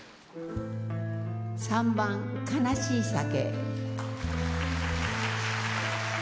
３番「悲しい酒」。